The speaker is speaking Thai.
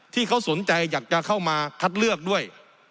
ที่เขาสนใจอยากจะเข้ามาคัดเลือกด้วย